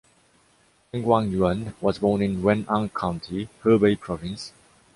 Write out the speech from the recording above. Chen Guangyuan was born in Wen'an County, Hebei Province.